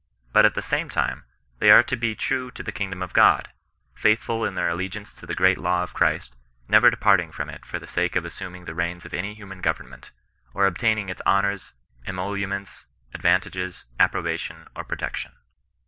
But at the same time they are to be true to the kingdom of God, faithful in their allegiance to the great law of Christ, never departing from it for the sake of assuming the reins of any human govemment, or obtaining its honours, emoluments, advantages, ap probation, or protection.